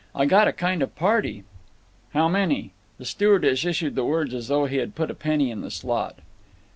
I got a kind of party—" "How many?" The stewardess issued the words as though he had put a penny in the slot.